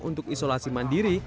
untuk isolasi mandiri